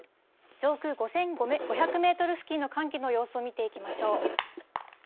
上空５５００メートルの寒気の様子を見ていきましょう。